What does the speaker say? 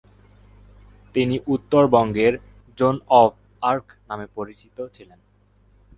তিনি উত্তরবঙ্গের 'Joan of Arc' নামে পরিচিত ছিলেন।